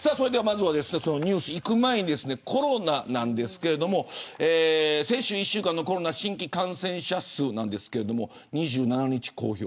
ニュースにいく前にコロナなんですけれど先週１週間のコロナ新規感染者数なんですが２７日公表